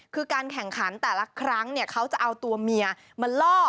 คือการแข่งขันแต่ละครั้งเขาจะเอาตัวเมียมาล่อ